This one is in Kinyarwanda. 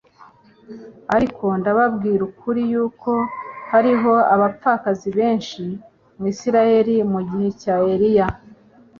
Ariko ndababwira ukuri yuko hariho abapfakazi benshi mu Isiraeli mu gihe cya Eliya,